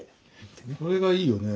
これがいいよね。